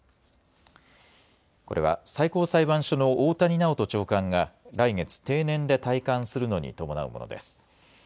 これは最高裁判所の大谷直人長官が来月定年で退官するのに伴うものです。